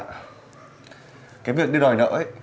nói về việc đòi nợ